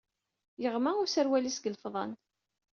Yeɣma userwal-is seg yilefḍan.